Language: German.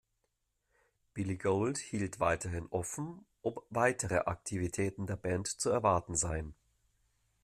Billy Gould hielt weiterhin offen, ob weitere Aktivitäten der Band zu erwarten seien.